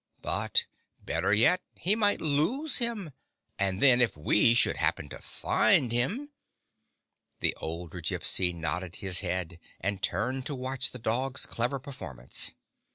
But, better yet, he might lose him, and then if we should happen to find him —!" The older Gypsy nodded his head, and turned to watch the dog's clever performance.